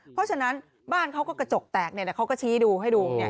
เพราะฉะนั้นบ้านเขาก็กระจกแตกเขาก็ชี้ดูให้ดู